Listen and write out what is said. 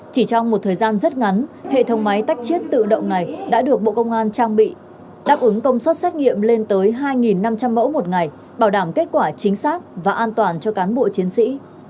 chỉ trong một thời gian rất ngắn hệ thống máy tách chiết tự động này đã được bộ công an trang bị đáp ứng công suất xét nghiệm lên tới hai năm trăm linh mẫu một ngày bảo đảm kết quả chính xác và an toàn cho cán bộ chiến sĩ